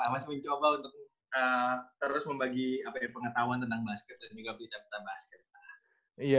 abas mencoba untuk terus membagi pengetahuan tentang basket dan juga pilihan kita basket